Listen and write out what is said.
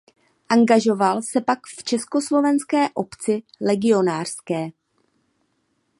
Angažoval se pak v Československé obci legionářské.